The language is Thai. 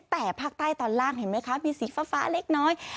แต่ภาคใต้ตอนล่างเห็นไหมคะมีสีฟ้าเล็กน้อย